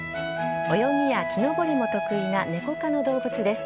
泳ぎや木登りも得意なネコ科の動物です。